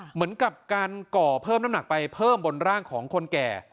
เหมือนกับการก่อเพิ่มน้ำหนักไปเพิ่มบนร่างของคนแก่